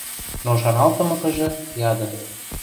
Но шаналтымыкыжы, яды: